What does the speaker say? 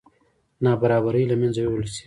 نابرابرۍ له منځه یوړل شي.